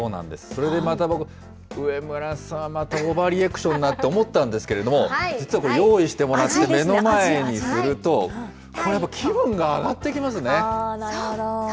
それでまた、上村さん、またオーバーリアクションなって思ったんですけれども、実はこれ、用意してもらって、目の前にすると、これやっぱ、気分が上がってなるほど。